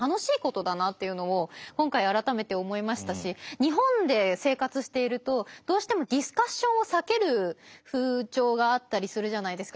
日本で生活しているとどうしてもディスカッションを避ける風潮があったりするじゃないですか。